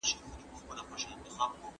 زدکړه د زده کوونکي له خوا کيږي.